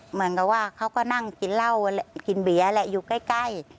เหมือนกับว่าเขาก็นั่งกินเบียแหละอยู่ใกล้